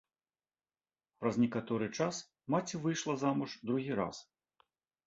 Праз некаторы час маці выйшла замуж другі раз.